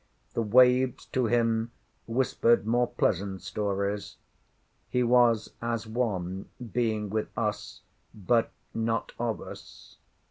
The waves to him whispered more pleasant stories. He was as one, being with us, but not of us.